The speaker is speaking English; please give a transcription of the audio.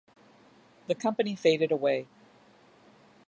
The company faded away.